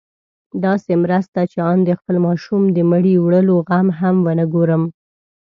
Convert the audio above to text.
داسې مرسته چې آن د خپل ماشوم د مړي وړلو غم هم ونه ګورم.